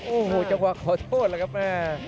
โอ้โหจังหวะขอโทษแล้วครับแม่